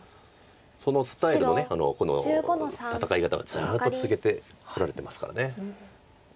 そのスタイルの戦い方をずっと続けてこられてますから。